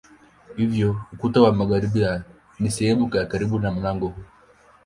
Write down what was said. Hivyo ukuta wa magharibi ni sehemu ya karibu na mlango huu.